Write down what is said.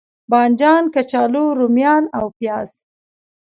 بانجان، کچالو، روميان او پیاز